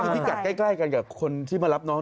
พี่กัดใกล้กับคนที่มารับน้อง